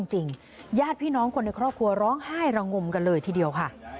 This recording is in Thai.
ญาติพี่น้องคนในครอบครัวร้องไห้ระงมกันเลยทีเดียวค่ะ